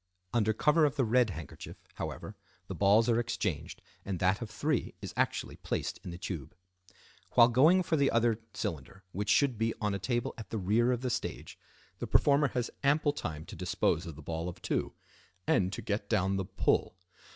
Under cover of the red handkerchief, however, the balls are exchanged and that of three is actually placed in the tube. While going for the other cylinder, which should be on a table at the rear of the stage, the performer has ample time to dispose of the ball of two, and to get down the "pull."